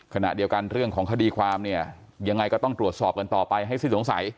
ขณะเดียวกันเรื่องของคดีความเนี่ยยังไงก็ต้องตรวจสอบกันต่อไปให้สิ้นสงสัย